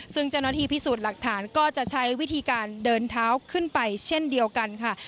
ซึ่งเจ้าหน้าที่พิสูจน์หลักฐานก็จะใช้วิธีการเดินเท้าขึ้นไปเช่นเดียวกันค่ะ